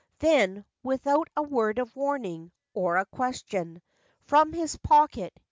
Then, without a word of warning, Or a question, from his pocket